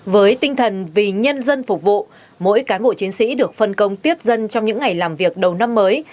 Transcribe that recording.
với tinh thần vì nhân dân phục vụ mỗi cán bộ chiến sĩ được phân công tiếp dân trong những ngày làm việc đầu năm mới